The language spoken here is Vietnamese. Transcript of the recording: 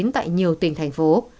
tại nhiều tỉnh thành phố